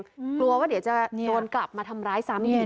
กลัวว่าเดี๋ยวจะโดนกลับมาทำร้ายซ้ำอีก